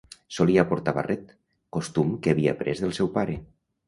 Solia portar barret, costum que havia après del seu pare.